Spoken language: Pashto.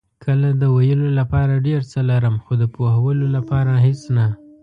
کله د ویلو لپاره ډېر څه لرم، خو د پوهولو لپاره هېڅ نه.